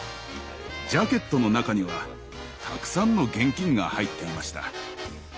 ジャケットの中にはたくさんの現金が入っていました。